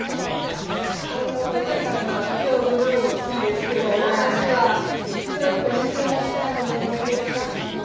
あの板さんが腕を振るう日ですけども明日は何か召し上がりたいものないですか？